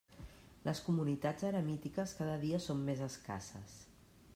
Les comunitats eremítiques cada dia són més escasses.